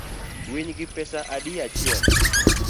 Winygi pesa adi achiel?